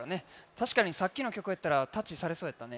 たしかにさっきのきょくやったらタッチされそうやったね。